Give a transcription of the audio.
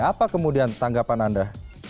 apa kemudian tanggapan anda